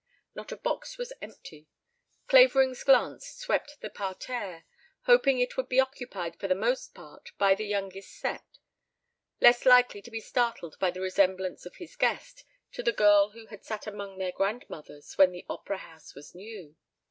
Not a box was empty. Clavering's glance swept the parterre, hoping it would be occupied for the most part by the youngest set, less likely to be startled by the resemblance of his guest to the girl who had sat among their grandmothers when the opera house was new.